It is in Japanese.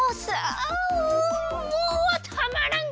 あもうたまらん！